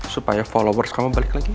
supaya followers kamu balik lagi